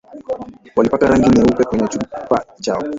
Walipaka rangi nyeupe kwenye chumba chao